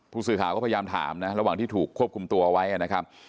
ผู้สื่อข่าวก็พยายามถามนะระหว่างที่ถูกควบคุมตัวไว้นะครับ